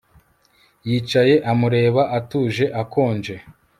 Yicaye amureba atuje akonje